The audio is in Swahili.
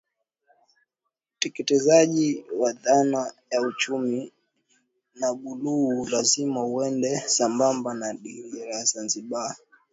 Utekelezaji wa dhana ya uchumi wa Buluu lazima uende sambamba na Dira ya Zanzibar